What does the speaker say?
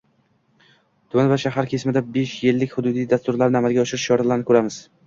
Tuman va shaharlar kesimida besh yillik hududiy dasturlarni amalga oshirish choralarini ko‘ramiz.